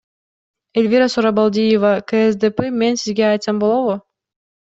Элвира Сурабалдиева, КСДП Мен сизге айтсам болобу?